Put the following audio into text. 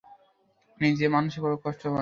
নিজে মানসিক ভাবে কষ্ট পান।